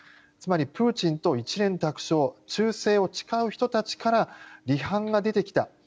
つまり、プーチンと一蓮托生忠誠を誓う人たちから離反が出てきた。